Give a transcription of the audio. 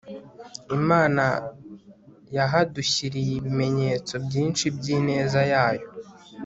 Imana yahadushyiriy ibimenyetso byinshi byineza yayo